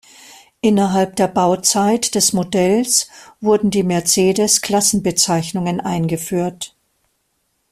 Innerhalb der Bauzeit des Modells wurden die Mercedes-Klassenbezeichnungen eingeführt.